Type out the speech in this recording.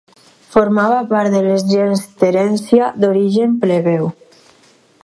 Formava part de la gens Terència, d'origen plebeu.